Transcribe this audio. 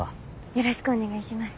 よろしくお願いします。